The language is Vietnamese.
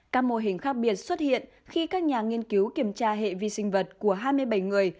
các mô hình khác biệt xuất hiện khi các nhà nghiên cứu kiểm tra hệ vi sinh vật của hai mươi bảy người